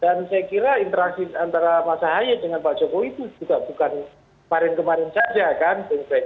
dan saya kira interaksi antara masa haye dengan pak jokowi itu juga bukan kemarin kemarin saja kan